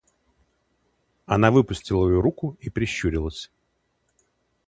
Она выпустила его руку и прищурилась.